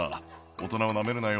「大人をナメるなよ」